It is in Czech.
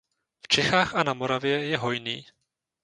V Čechách a na Moravě je hojný.